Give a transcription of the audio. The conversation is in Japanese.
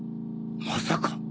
まさか！